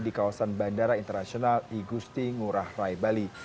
di kawasan bandara internasional igusti ngurah rai bali